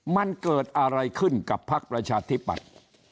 มันเกิดอะไรขึ้นกับพักประชาธิปัตย์